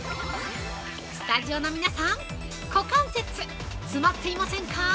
スタジオの皆さん、股関節、詰まっていませんか。